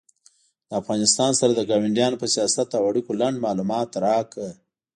د افغانستان سره د کاونډیانو په سیاست او اړیکو لنډ معلومات راکړه